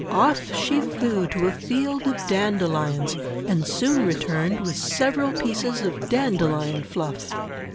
Off she flew to a field of dandelions, and soon returned with several pieces of dandelion fluff.